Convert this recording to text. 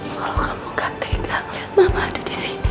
kalau kamu gak tegang lihat mama ada di sini